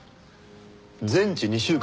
全治２週間。